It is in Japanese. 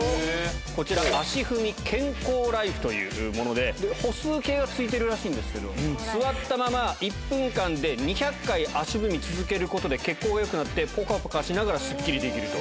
こちら、足踏み健康ライフというもので、歩数計がついてるらしいんですけど、座ったまま、１分間で２００回足踏み続けることで、血行がよくなって、ぽかぽかしながらスッキリできると。